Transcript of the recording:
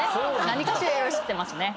何かしら色々知ってますね。